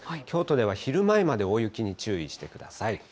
京都では昼前まで大雪に注意してください。